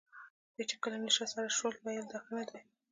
بیا چې کله یې نشه سر شول ویل یې دا ښه نه دي.